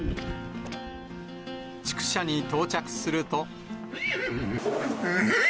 畜舎に到着すると。